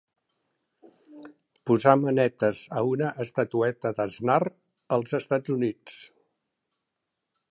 Posar manetes a una estatueta d'Aznar als Estats Units.